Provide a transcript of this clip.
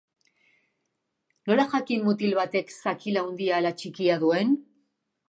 Nola jakin mutil batek zakil handia ala txikia duen?